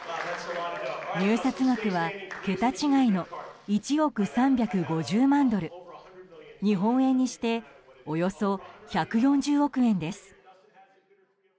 入札額は桁違いの１億３５０万ドル日本円にしておよそ１４０億円です。